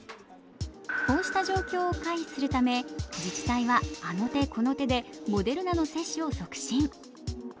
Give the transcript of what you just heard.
こうした状況を回避するため自治体はあの手この手でモデルナの接種を促進。